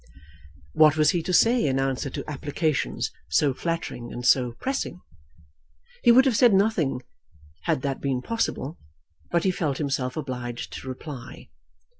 What was he to say in answer to applications so flattering and so pressing? He would have said nothing, had that been possible, but he felt himself obliged to reply.